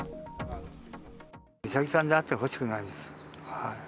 美咲さんであってほしくないです。